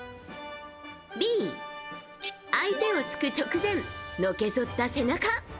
Ｂ、相手を突く直前のけぞった背中。